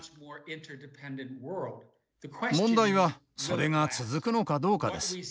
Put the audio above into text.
問題はそれが続くのかどうかです。